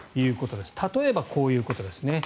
例えば、こういうことです。